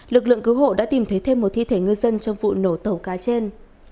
lực lượng cứu hộ đã tìm thấy thêm một thi thể ngư dân trong vụ nổ tàu cá trên